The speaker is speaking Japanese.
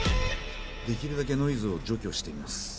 できるだけノイズを除去してみます。